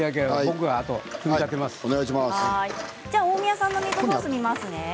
大宮さんのミートソース見ますね。